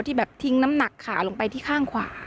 ที่แบบทิ้งน้ำหนักขาลงไปที่ข้างขวา